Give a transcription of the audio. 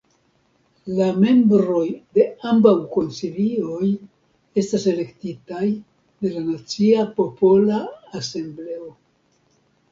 La membroj de ambaŭ konsilioj estas elektitaj de la Nacia Popola Asembleo.